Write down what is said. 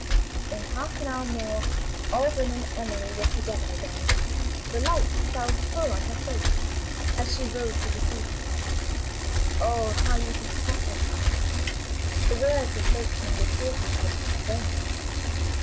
In half an hour more, Alban and Emily were together again. The light fell full on her face as she rose to receive him. "Oh, how you have suffered!" The words escaped him before he could restrain himself.